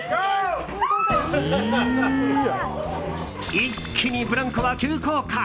一気にブランコは急降下。